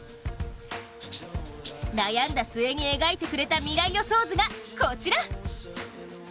悩んだ末に描いてくれた未来予想図がこちら。